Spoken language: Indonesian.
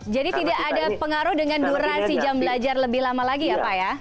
jadi tidak ada pengaruh dengan durasi jam belajar lebih lama lagi ya pak ya